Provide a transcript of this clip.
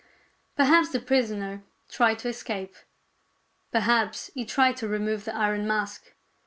Perhaps the prisoner tried to escape. Perhaps he tried to remove the iron mask.